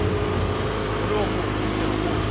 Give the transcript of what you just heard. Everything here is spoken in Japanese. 俺はもう見てのとおり。